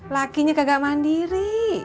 lakinya kagak mandiri